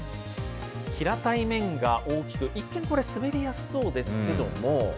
平たい面が大きく、一見これ滑りやすそうですけども。